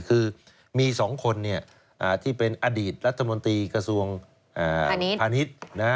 คือมี๒คนที่เป็นอดีตรัฐมนตรีกระทรวงพาณิชย์